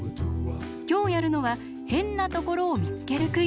きょうやるのはへんなところをみつけるクイズ。